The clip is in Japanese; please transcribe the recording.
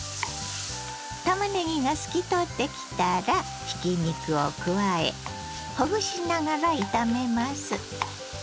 たまねぎが透き通ってきたらひき肉を加えほぐしながら炒めます。